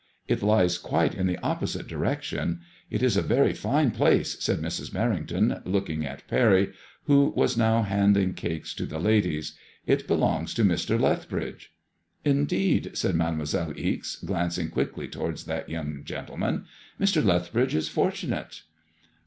It lies quite in the opposite direction. It is a very fine place," said Mrs. Merrington, looking at Parry, who was now lO MADEMOISELLE IXE. handing cakes to the ladies. '' It belongs to Mr. Lethbridge. ^^ Indeed/' said Mademoiselle Ize, glancing quickly towards that young gentleman. '* Mr. Lethbridge is fortunate."